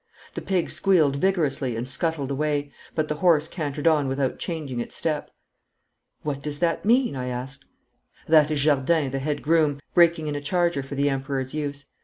The pig squealed vigorously and scuttled away, but the horse cantered on without changing its step. 'What does that mean?' I asked. 'That is Jardin, the head groom, breaking in a charger for the Emperor's use.